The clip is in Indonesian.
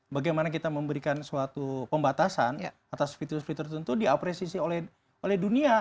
bagaimana kita memberikan suatu pembatasan atas fitur fitur tertentu diapresiasi oleh dunia